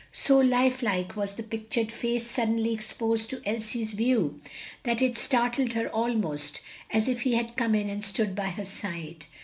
So life like was the pictured face suddenly exposed to Elsie's view that it startled her almost as if he had come in and stood by her side.